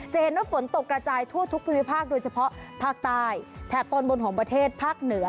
จะเห็นว่าฝนตกกระจายทั่วทุกภูมิภาคโดยเฉพาะภาคใต้แถบตอนบนของประเทศภาคเหนือ